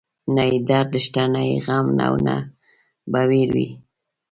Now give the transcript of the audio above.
نه يې درد شته، نه يې غم او نه به وير وي